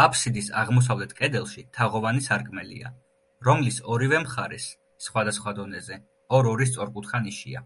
აფსიდის აღმოსავლეთ კედელში თაღოვანი სარკმელია, რომლის ორივე მხარეს სხვადასხვა დონეზე ორ-ორი სწორკუთხა ნიშია.